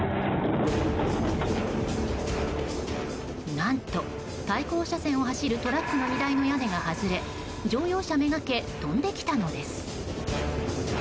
何と、対向車線を走るトラックの荷台の屋根が外れ乗用車めがけ飛んできたのです。